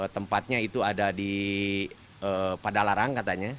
tempatnya itu ada di padalarang katanya